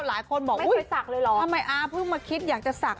หลายคนบอกอุ๊ยทำไมอาเพิ่งมาคิดอยากจะศักดิ